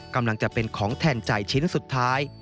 กำลังจะเป็นของแทนใจชิ้นสุดท้าย